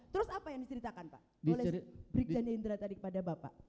terus apa yang diceritakan pak oleh brigjen hendra tadi kepada bapak